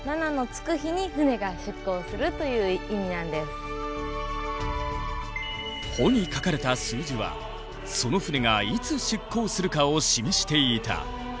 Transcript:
こちらに帆に書かれた数字はその船がいつ出港するかを示していた。